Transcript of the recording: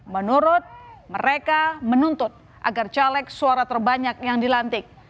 menurut mereka menuntut agar caleg suara terbanyak yang dilantik